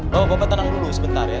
bapak tenang dulu sebentar ya